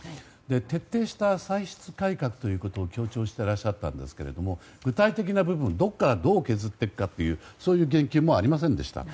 徹底した歳出改革ということを強調していらっしゃったんですけども具体的な部分どこからどう削っていくかという言及はありませんでした。